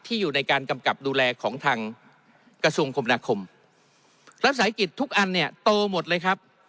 อยู่ในการกำกับดูแลของทางกระทรวงคมนาคมรัฐสาหกิจทุกอันเนี่ยโตหมดเลยครับ